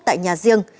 tại nhà riêng